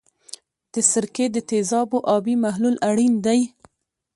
د سرکې د تیزابو آبي محلول اړین دی.